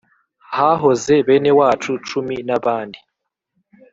Hahoze benewacu cumi n'abandi